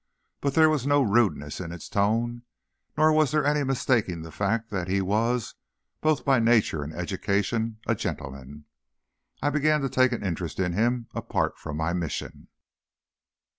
But there was no rudeness in its tone, nor was there any mistaking the fact that he was, both by nature and education, a gentleman. I began to take an interest in him apart from my mission.